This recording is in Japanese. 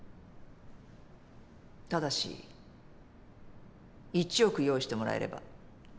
ただし１億用意してもらえれば。